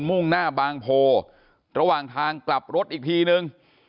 มุ่งหน้าบางโพระหว่างทางกลับรถอีกทีนึง